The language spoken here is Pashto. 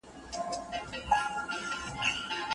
الله تعالی ډيري پوښتني منع کړي دي.